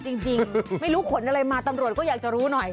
จริงไม่รู้ขนอะไรมาตำรวจก็อยากจะรู้หน่อย